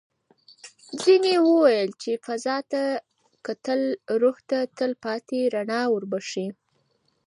ځینې وویل چې فضا ته کتل روح ته تل پاتې رڼا وربښي.